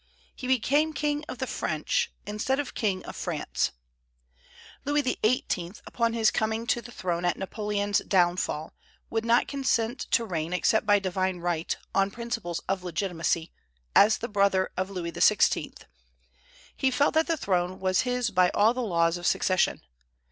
He became King of the French instead of King of France. Louis XVIII., upon his coming to the throne at Napoleon's downfall, would not consent to reign except by divine right, on principles of legitimacy, as the brother of Louis XVI. He felt that the throne was his by all the laws of succession.